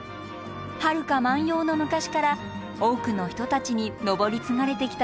はるか万葉の昔から多くの人たちに登り継がれてきたというんです。